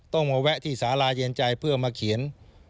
ต้องมาแวะที่สาราเย็นใจเพื่อมาเขียน